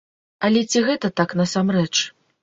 Але ці гэта так насамрэч?